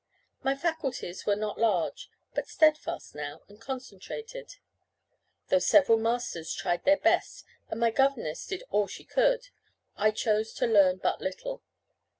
My faculties were not large, but steadfast now, and concentrated. Though several masters tried their best, and my governess did all she could, I chose to learn but little.